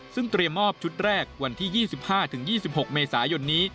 ซึ่งเตรียมมอบชุดแรกวันที่๒๕๒๖เมษายนนี้